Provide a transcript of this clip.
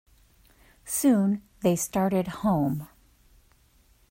Soon they started home.